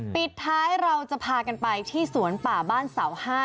ปิดท้ายเราจะพากันไปที่สวนป่าบ้านเสา๕